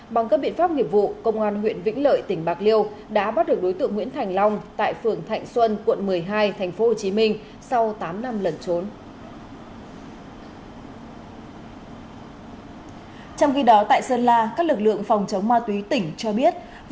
bằng các biện pháp nghiệp vụ công an huyện vĩnh lợi tỉnh bạc liêu đã bắt được đối tượng nguyễn thành long tại phường thạnh xuân quận một mươi hai tp hcm sau tám năm lẩn trốn